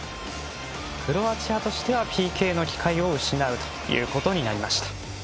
クロアチアとしてはＰＫの機会を失うということになりました。